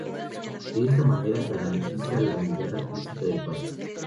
De esta manera garantiza la unidad artística del parque.